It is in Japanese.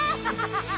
ハハハハ！